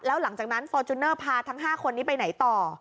แล้วหลังจากนั้นฟอร์จูเนอร์พาทั้ง๕คนนี้ไปไหนต่อ